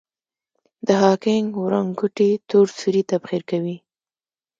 د هاکینګ وړانګوټې تور سوري تبخیر کوي.